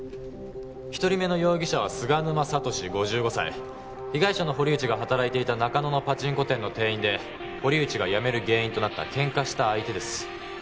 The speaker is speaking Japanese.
一人目の容疑者は菅沼聡５５歳被害者の堀内が働いていた中野のパチンコ店の店員で堀内が辞める原因となったケンカした相手です